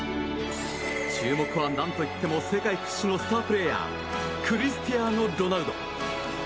注目は何といっても世界屈指のスタープレーヤークリスティアーノ・ロナウド。